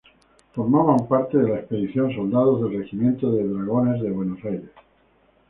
Formaban parte de la expedición soldados del Regimiento de Dragones de Buenos Aires.